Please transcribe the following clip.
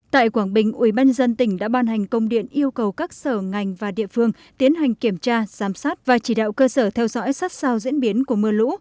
tại quảng bình ubnd tỉnh đã ban hành công điện yêu cầu các sở ngành và địa phương tiến hành kiểm tra giám sát và chỉ đạo cơ sở theo dõi sát sao diễn biến của mưa lũ